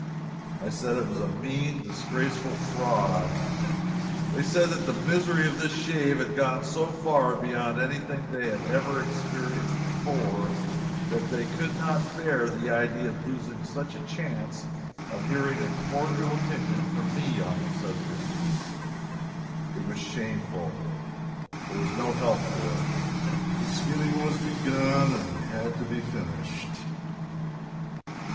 I said it was a mean, disgraceful fraud. They said that the misery of this shave had gone so far beyond any thing they had ever experienced before, that they could not bear the idea of losing such a chance of hearing a cordial opinion from me on the subject. It was shameful. But there was no help for it. The skinning was begun and had to be finished.